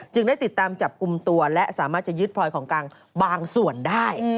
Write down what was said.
ได้ติดตามจับกลุ่มตัวและสามารถจะยึดพลอยของกลางบางส่วนได้